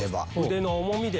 腕の重みで。